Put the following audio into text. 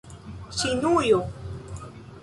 Ĉinujo